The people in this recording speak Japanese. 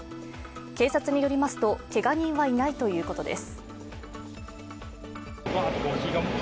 警察によりますと、けが人はいないということです。